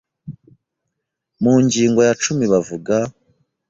Mu ngingo ya cumi bavuga